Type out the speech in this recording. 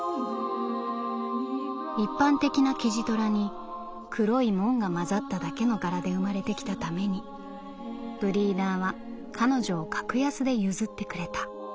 「一般的なキジトラに黒い紋が混ざっただけの柄で生まれてきたためにブリーダーは彼女を格安で譲ってくれた」。